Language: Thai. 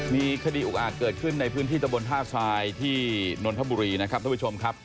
มีคดีอุกอาจเกิดขึ้นในพื้นที่ตะบนท่าทรายที่นนทบุรีนะครับท่านผู้ชมครับ